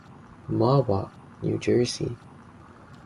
Mahwah, New Jersey.